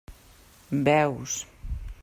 Veus.